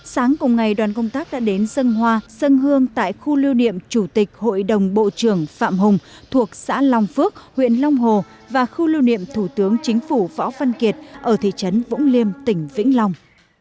sáng cùng ngày đoàn công tác đã đến dân hoa dân hương tại khu lưu niệm chủ tịch hội đồng bộ trưởng phạm hùng thuộc xã long phước huyện long hồ và khu lưu niệm thủ tướng chính phủ võ văn kiệt ở thị trấn vũng liêm tỉnh vĩnh long